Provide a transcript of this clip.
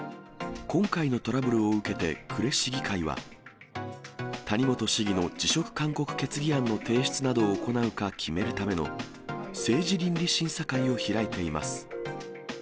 今回のトラブルを受けて、呉市議会は、谷本市議の辞職勧告決議案の提出などを行うか決めるための政治倫理審査会を開いています。